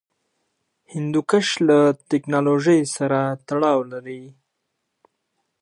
هندوکش له تکنالوژۍ سره تړاو لري.